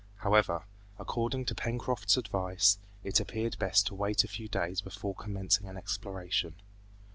However, according to Pencroft's advice, it appeared best to wait a few days before commencing an exploration.